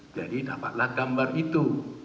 jadi dapatlah gambar itu